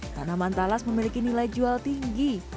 tanaman talas memiliki nilai jual tinggi